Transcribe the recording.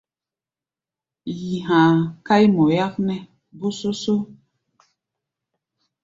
Yi ha̧a̧ káí mɔ yáknɛ́ bósósó.